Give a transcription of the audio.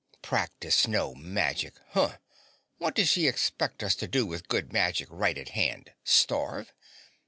'Practice no magic.' Hoh! What does she expect us to do with good magic right at hand starve?